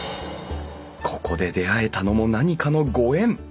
ここで出会えたのも何かのご縁。